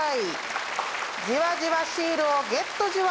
じわじわシールをゲットじわ！